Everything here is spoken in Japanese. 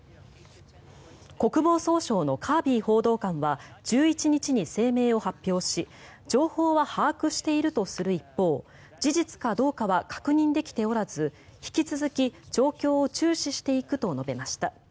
国防総省のカービー報道官は１１日に声明を発表し情報は把握しているとする一方事実かどうかは確認できておらず引き続き状況を注視していくと述べました。